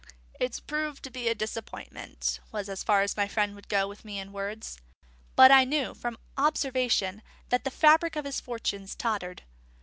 "It's proved a disappointment," was as far as my friend would go with me in words; but I knew, from observation, that the fabric of his fortunes tottered.